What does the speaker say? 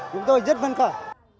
chúng tôi rất phấn khởi